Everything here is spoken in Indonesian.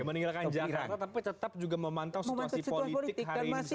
meninggalkan jakarta tapi tetap juga memantau situasi politik hari ini